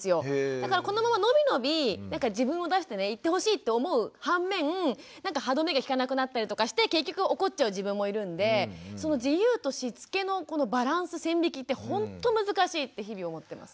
だからこのまま伸び伸び自分を出していってほしいって思う反面なんか歯止めが利かなくなったりとかして結局怒っちゃう自分もいるんでその自由としつけのバランス線引きってほんと難しいって日々思ってます。